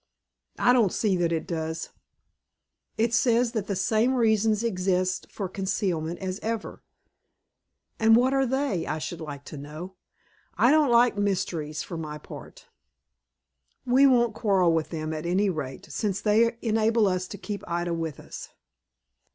"I don't see that it does." "It says that the same reasons exist for concealment as ever." "And what are they, I should like to know? I don't like mysteries, for my part." "We won't quarrel with them, at any rate, since they enable us to keep Ida with us."